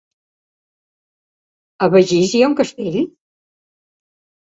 A Begís hi ha un castell?